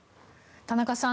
田中さん